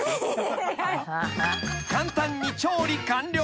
［簡単に調理完了］